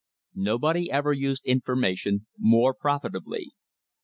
Nobody ever used information more profitably.